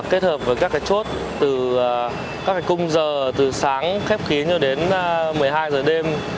kết hợp với các chốt từ các cung giờ từ sáng khép khí cho đến một mươi hai giờ đêm